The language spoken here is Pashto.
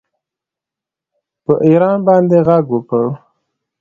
په ایران باندې غږ وکړ